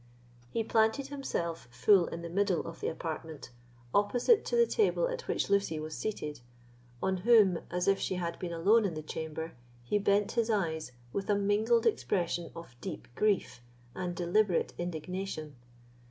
He planted himself full in the middle of the apartment, opposite to the table at which Lucy was seated, on whom, as if she had been alone in the chamber, he bent his eyes with a mingled expression of deep grief and deliberate indignation.